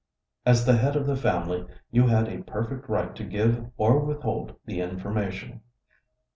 As the head of the family, you had a perfect right to give or withhold the information.